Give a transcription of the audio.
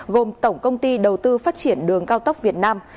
gồm tổng công ty đầu tư phát triển đường cao tốc việt nam